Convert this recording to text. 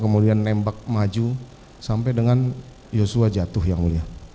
kemudian nembak maju sampai dengan yosua jatuh yang mulia